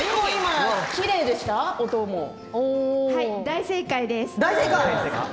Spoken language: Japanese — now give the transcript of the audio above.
大正解です。